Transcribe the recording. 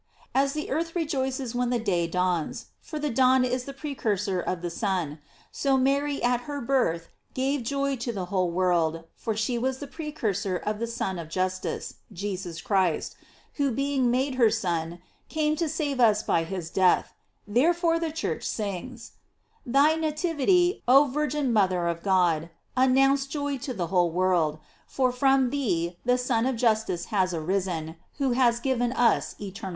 "* As the earth rejoices when the day dawns, for the dawn is the precur sor of the sun, so Mary at her birth gave joy to the whole world, for she was the precursor of the sun of justice, Jesus Christ, who being made her son, came to save us by his death; therefore the Church sings;"Thy nativity, oh virgin mother of God, announced joy to the whole world, for from thee the sun of justice has arisen, who has * Qtue e*t Ista qu» progreditur qua«i aurora conrorgeas?